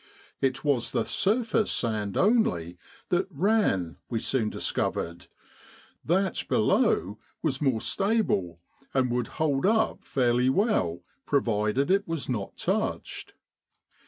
It was the surface sand only that 93 With the R.A.M.C. in Egypt "ran," we soon discovered: that below was more stable, and would hold up fairly well provided it was not touched.